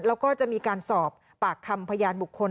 แล้วก็จะมีการสอบปากคำพยานบุคคล